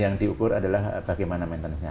yang diukur adalah bagaimana maintenance nya